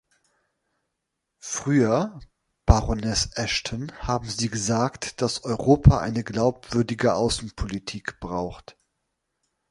Früher, Baroness Ashton, haben Sie gesagt, dass Europa eine glaubwürdige Außenpolitik braucht.